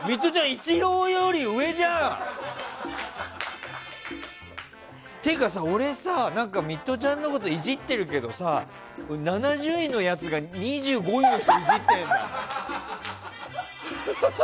イチローより上じゃん！っていうか俺さ、ミトちゃんのことイジってるけどさ７０位のやつが２５位の人イジって。